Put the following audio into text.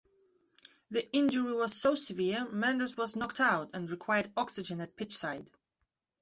The injury was so severe Mendes was knocked out and required oxygen at pitchside.